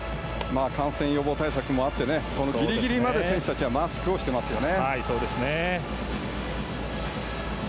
感染予防対策もあってギリギリまで選手たちはマスクをしてますよね。